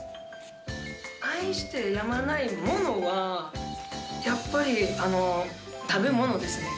愛してやまないものは、やっぱり食べ物ですね。